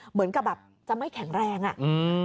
เหมือนกับแบบจะไม่แข็งแรงอ่ะอืม